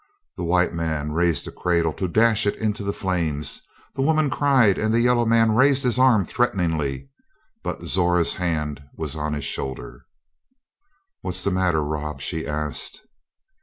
The white man raised a cradle to dash it into the flames; the woman cried, and the yellow man raised his arm threateningly. But Zora's hand was on his shoulder. "What's the matter, Rob?" she asked.